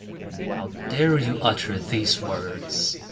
How dare you utter these words?